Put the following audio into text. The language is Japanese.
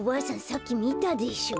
さっきみたでしょ。